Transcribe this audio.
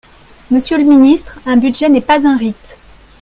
Monsieur le ministre, un budget n’est pas un rite.